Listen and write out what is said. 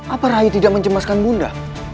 apa rahi tidak mencemaskan bunda